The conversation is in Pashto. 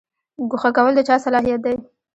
ګوښه کول د چا صلاحیت دی؟